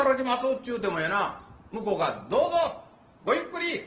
っちゅうてもやな向こうが『どうぞごゆっくり。